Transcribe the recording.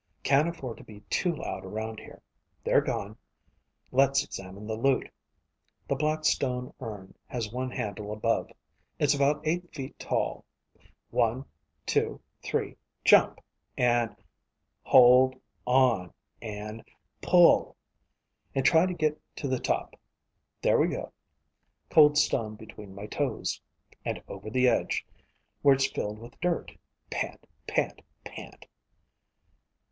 Can't afford to be too loud around here. They're gone. Let's examine the loot. The black stone urn has one handle above. It's about eight feet tall. One, two, three: jump, and ... hold ... on ... and ... pull. And try to get to the top. There we go. Cold stone between my toes. And over the edge, where it's filled with dirt. Pant. Pant. Pant.